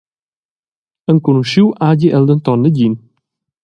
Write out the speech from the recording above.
Enconuschiu hagi el denton negin.